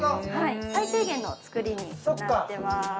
最低限の造りになってます。